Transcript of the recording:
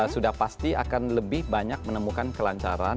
sudah pasti akan lebih banyak menemukan kelancaran